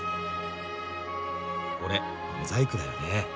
これモザイクだよね。